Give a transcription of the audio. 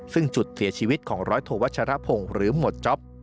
ซึ่งจุดเสียชีวิตของร้อยโทวัชรพงศ์หรือหมวดจ๊อป